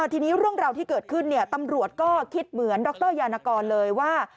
ทีนี้เรื่องราวที่เกิดขึ้นตำรวจก็คิดเหมือนดรยานกรเลยว่า